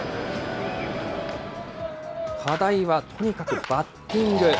課題はとにかくバッティング。